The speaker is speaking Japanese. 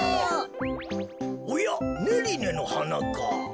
おやっネリネのはなか。